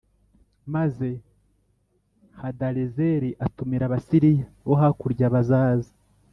Maze Hadarezeri atumira Abasiriya bo hakurya bazaza